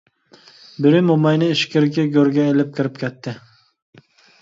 بىرى موماينى ئىچكىرىكى گۆرگە ئېلىپ كىرىپ كەتتى.